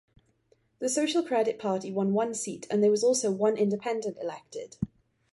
The Social Credit Party won one seat, and there was also one Independent elected.